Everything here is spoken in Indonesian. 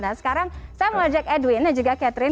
nah sekarang saya mau ajak edwin dan juga catherine